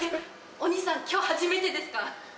お兄さん今日初めてですか？